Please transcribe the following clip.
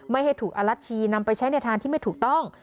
ไม่ให้ถูกอรัชชีนำไปใช้ในทางที่ไม่ถูกต้อง